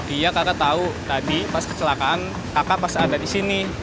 iya karena tahu tadi pas kecelakaan kakak pas ada di sini